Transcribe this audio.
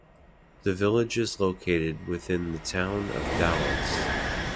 The village is located within the Town of Dallas.